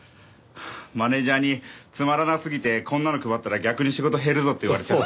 マネジャーに「つまらなすぎてこんなの配ったら逆に仕事減るぞ」って言われちゃって。